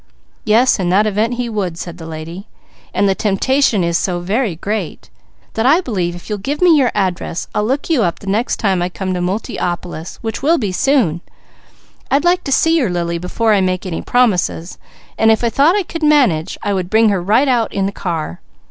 "Yes, in that event, he would," said the lady, "and the temptation is so great, that I believe if you'll give me your address, I'll look you up the next time I come to Multiopolis, which will be soon. I'd like to see your Lily before I make any promises. If I thought I could manage, I could bring her right out in the car.